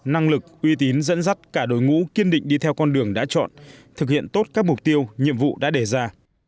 năng lực uy tín dẫn dắt cả đối ngũ kiên định đi theo con đường đã chọn thực hiện tốt các mục tiêu nhiệm vụ đã đề ra